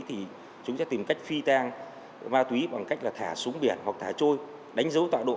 thì chúng sẽ tìm cách phi tang ma túy bằng cách là thả xuống biển hoặc thả trôi đánh dấu tọa độ